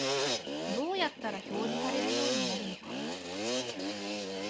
どうやったら表示されるようになるのか